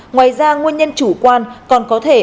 ngoài ra nguồn nhân chủ quan còn có thể